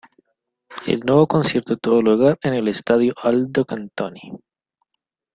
El nuevo concierto tuvo lugar en el estadio Aldo Cantoni.